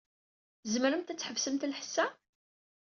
Tzemremt ad tḥebsemt lḥess-a?